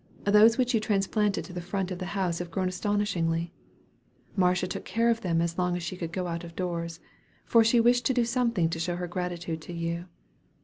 Those which you transplanted to the front of the house have grown astonishingly. Marcia took care of them as long as she could go out of doors; for she wished to do something to show her gratitude to you.